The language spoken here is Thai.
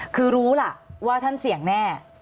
คือรู้ล่ะว่าท่านเสี่ยงแน่